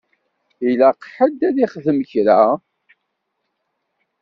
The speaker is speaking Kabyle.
Ilaq ḥedd ara ixedmen kra.